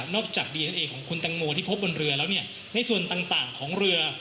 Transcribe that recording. จากดีเอนเอของคุณตังโมที่พบบนเรือแล้วเนี่ยในส่วนต่างของเรือ